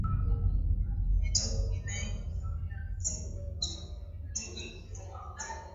yetu Ruge Naye Kigwangalla amemsifu kwa kujitoa kwake katika shughuli za ujenzi wa